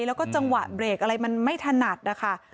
แล้วก็จังหวะเบรกอะไรมันไม่ถนัดนะคะ